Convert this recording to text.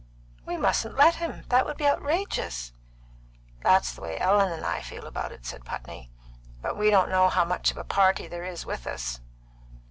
"We mustn't let him. That would be outrageous." "That's the way Ellen and I feel about it," said Putney; "but we don't know how much of a party there is with us."